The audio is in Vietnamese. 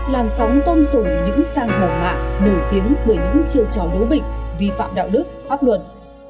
làm sóng tôn dụng những sang hòa mạng nổi tiếng bởi những chiêu trò đối bịnh vi phạm đạo đức pháp luật